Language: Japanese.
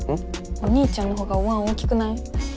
お兄ちゃんのほうがおわん大きくない？